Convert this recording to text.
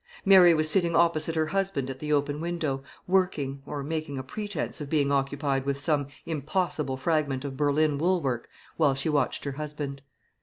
Mary was sitting opposite her husband at the open window, working, or making a pretence of being occupied with some impossible fragment of Berlin wool work, while she watched her husband.